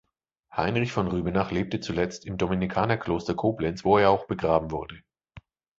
Heinrich von Rübenach lebte zuletzt im Dominikanerkloster Koblenz, wo er auch begraben wurde.